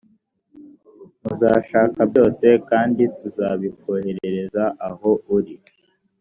muzashaka byose kandi tuzabikoherereza aho uri